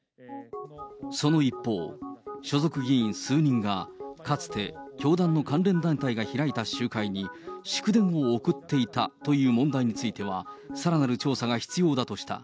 その一方、所属議員数人が、かつて教団の関連団体が開いた集会に、祝電を送っていたという問題については、さらなる調査が必要だとした。